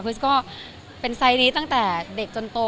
ก็เป็นไซส์นี้ตั้งแต่เด็กจนโต